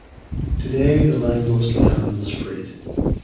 Today the line mostly handles freight.